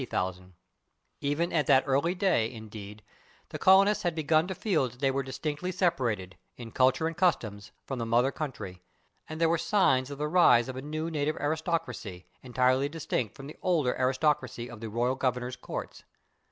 Even at that early day, indeed, the colonists had begun to feel that they were distinctly separated, in culture and customs, from the mother country, and there were signs of the rise of a new native aristocracy, entirely distinct from the older aristocracy of the royal governors' courts.